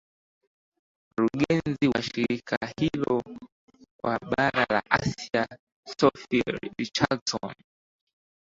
rugenzi wa shirika hilo kwa bara la asia sofi richardson